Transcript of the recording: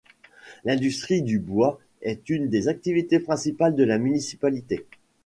L’industrie du bois est une des activités principales de la municipalité.